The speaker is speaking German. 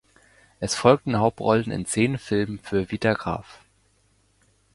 Es folgten Hauptrollen in zehn Filmen für Vitagraph.